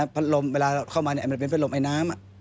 พันธุ์ลมเวลาเข้ามาเนี่ยมันเป็นพันธุ์ลมไอน้ำ